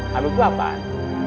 kamu tuh apaan